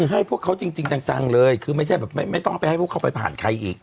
ให้พวกเขาจริงจังเลยคือไม่ใช่แบบไม่ต้องไปให้พวกเขาไปผ่านใครอีก